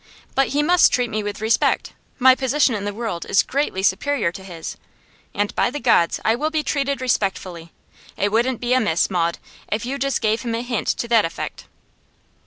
But he must treat me with respect. My position in the world is greatly superior to his. And, by the gods! I will be treated respectfully! It wouldn't be amiss, Maud, if you just gave him a hint to that effect.